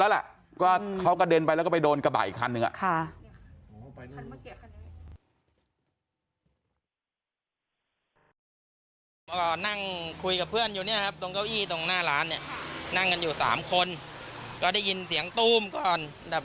ตรงหน้าร้านเนี่ยนั่งกันอยู่๓คนก็ได้ยินเสียงตูมก่อนดับ